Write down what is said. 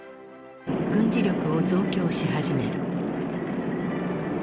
軍事力を増強し始める。